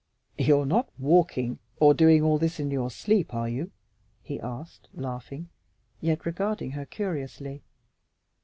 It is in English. "You are not walking or doing all this in your sleep, are you?" he asked, laughing, yet regarding her curiously.